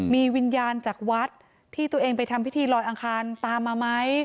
มีวิญญาณจากวัดที่ตัวเองไปทำพิธีลอยอังคารตามมาไหม